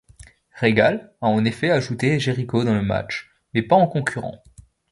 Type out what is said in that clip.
Regal a en effet ajouter Jericho dans le match, mais pas en concurrent.